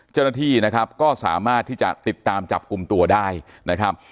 เจ้าหน้าที่นะครับก็สามารถที่จะติดตามจับกลุ่มตัวได้นะครับ